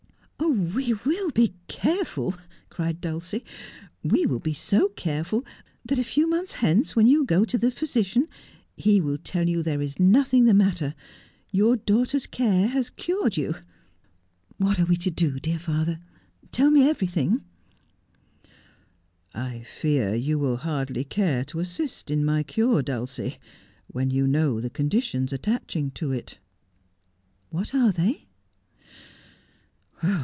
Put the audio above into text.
' "We will be careful,' cried Dulcie ;' we will be so careful that a few months hence when you go to the physician he will tell you there is nothing the matter — your daughter's care has cured you. "What are we to do, dear father I tell me everything.' ' I fear you will hardly care to assist in my cure, Dulcie, when you know the conditions attaching to it.' 'What are they?'